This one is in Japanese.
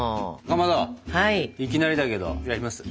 かまどいきなりだけどやります？